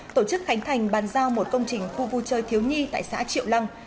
tổ chức khánh thành bàn giao một công trình khu vui chơi thiếu nhi tại xã triệu lăng